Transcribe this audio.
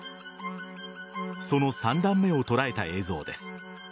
その３段目を捉えた映像です。